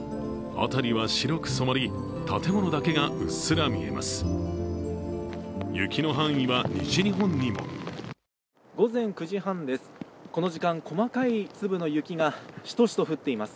辺りは白く染まり、建物だけがうっすら見えます。